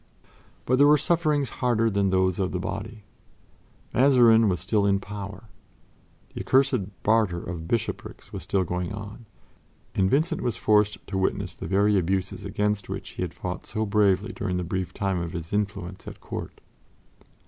But there were sufferings harder than those of the body. Mazarin was still in power; the "accursed barter of bishoprics" was still going on; and Vincent was forced to witness the very abuses against which he had fought so bravely during the brief time of his influence at Court.